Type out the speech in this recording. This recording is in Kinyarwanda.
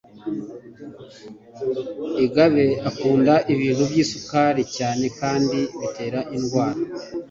Igabe akunda ibintu byisukari cyane kandi bitera indwara